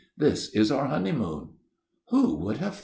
"This is our honeymoon." "Who would have thought it?"